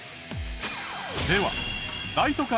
では大都会